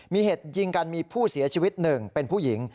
มีเหตุยิงกันมีผู้เสียชีวิตหนึ่งเป็นผู้หญิง